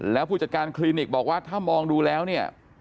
แล้วผู้จัดการคลินิกบอกว่าถ้ามองดูแล้วเนี่ย